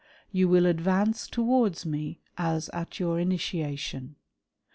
You will advance towards me as at your initiation.